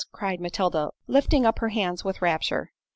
cried Matilda, lifting up her hands with rapture.